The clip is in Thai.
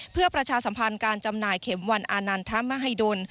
เพื่อประชาสัมพันธ์การจำหน่ายเข็มวันอานันทมหิดล